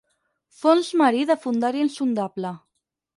Fons marí de fondària insondable.